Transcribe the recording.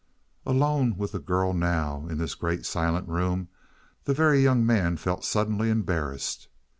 Alone with the girl now in this great silent room, the Very Young Man felt suddenly embarrassed.